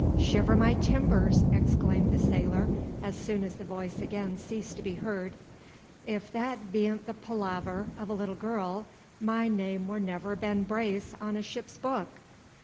"Shiver my timbers!" exclaimed the sailor, as soon as the voice again ceased to be heard. "If that bean't the palaver o' a little girl, my name wur never Ben Brace on a ship's book.